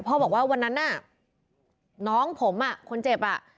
บอกว่าวันนั้นน่ะน้องผมอ่ะคนเจ็บอ่ะ